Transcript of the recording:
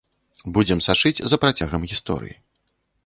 Будзем сачыць за працягам гісторыі.